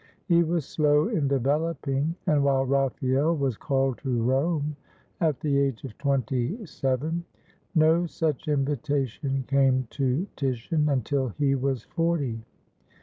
He was slow in developing, and while Raphael was called to Rome at the age of twenty seven, no such invita tion came to Titian until he was forty.